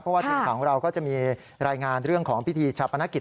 เพราะว่าทีมข่าวของเราก็จะมีรายงานเรื่องของพิธีชาปนกิจ